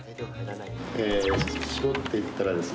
搾っていったらですね